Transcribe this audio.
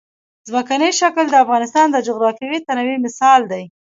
ځمکنی شکل د افغانستان د جغرافیوي تنوع مثال دی.